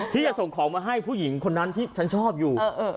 ที่จะส่งของมาให้ผู้หญิงคนนั้นที่ฉันชอบอยู่